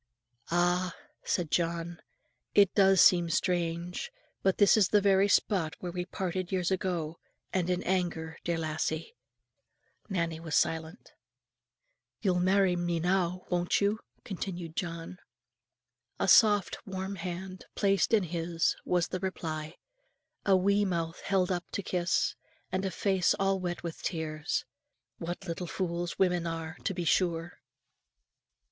"Ah!" said John, "it does seem strange, but this is the very spot where we parted years ago, and in anger, dear lassie." Nannie was silent. "You'll marry me now; won't you?" continued John. A soft warm hand placed in his, was the reply; a wee mouth held up to kiss, and a face all wet with tears. What little fools women are, to be sure!